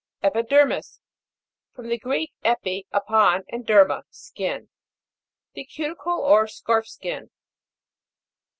EPIDER'MIS. From the Greek, epi, upon, and derma, skin. The cuti cle or scarf skin.